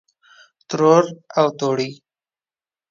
ترور او توړۍ